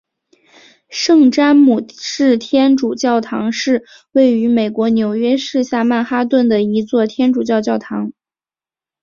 圣詹姆士天主教堂是位于美国纽约市下曼哈顿的一座天主教教堂。